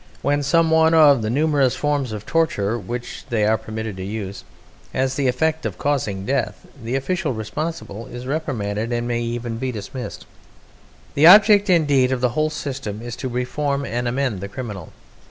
When some one of the numerous forms of torture which they are permitted to use has the effect of causing death, the official responsible is reprimanded and may even be dismissed. The object indeed of the whole system is to reform and amend the criminal.